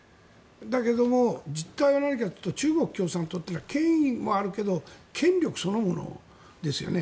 だけど、実態は何かというと中国共産党というのは権威はあるけど権力そのものですよね。